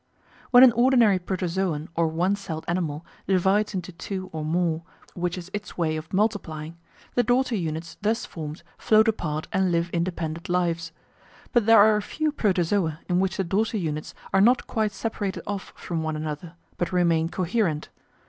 When an ordinary Protozoon or one celled animal divides into two or more, which is its way of multiplying, the daughter units thus formed float apart and live independent lives. But there are a few Protozoa in which the daughter units are not quite separated off from one another, but remain coherent.